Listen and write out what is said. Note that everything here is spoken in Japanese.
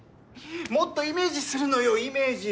もっとイメージするのよイメージ！